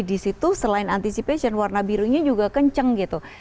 di situ selain anticipation warna birunya juga kenceng gitu